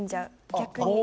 逆に。